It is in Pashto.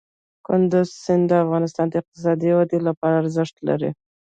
کندز سیند د افغانستان د اقتصادي ودې لپاره ارزښت لري.